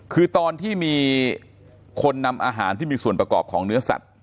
คือตอนที่มีคนนำอาหารที่มีส่วนประกอบของเนื้อสัตว